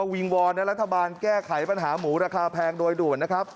วิงวอนให้รัฐบาลแก้ไขปัญหาหมูราคาแพงโดยด่วนนะครับ